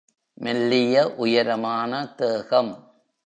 மெல்லிய உயரமான தேகம்.